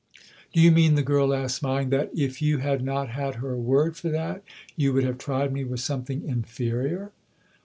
" Do you mean," the girl asked, smiling, " that if you had not had her word for that you would have tried me with something inferior